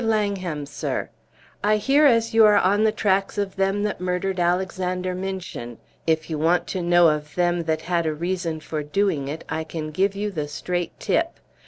LANGHAM, Sir, "I here as you are on the tracks of them that murdered Alexander Minchin, if you want to know of them that had a Reason for doing it I can give you the straight Tip.